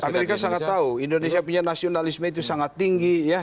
amerika sangat tahu indonesia punya nasionalisme itu sangat tinggi ya